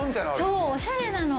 そうおしゃれなの。